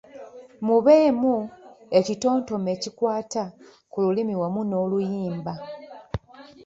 Mubeemu ekitontome ekikwata ku lulimi wamu n’oluyimba.